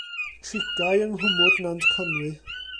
Trigai yng nghwmwd Nant Conwy.